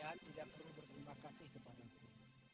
kalian tidak perlu berterima kasih kepada aku